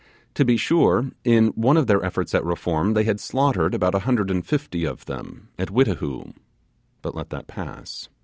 To be sure, in one of their efforts at reform they had slaughtered about a hundred and fifty of them at Whitihoo but let that pass.